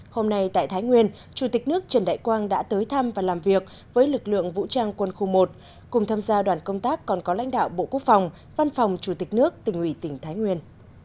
hôm nay tại thái nguyên chủ tịch nước trần đại quang đã tới thăm và làm việc với lực lượng vũ trang quân khu một cùng tham gia đoàn công tác còn có lãnh đạo bộ quốc phòng văn phòng chủ tịch nước tỉnh ủy tỉnh thái nguyên